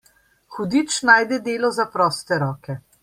Hudič najde delo za proste roke.